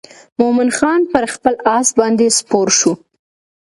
مومن خان پر خپل آس باندې سپور شو.